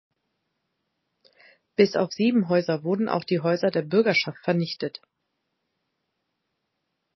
Bis auf sieben Häuser wurden auch die Häuser der Bürgerschaft vernichtet.